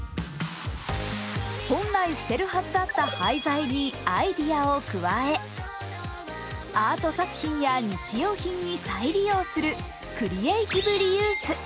本来捨てるはずだった廃材にアイデアを加え、アート作品や日用品に再利用するクリエイティブリユース。